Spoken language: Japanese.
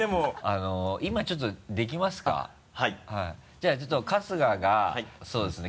じゃあちょっと春日がそうですね。